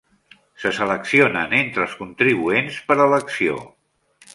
Se seleccionen entre els contribuents per elecció.